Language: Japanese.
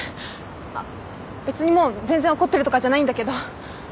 あっ別にもう全然怒ってるとかじゃないんだけど。